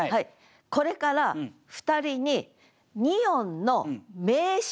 これから２人に２音の名詞？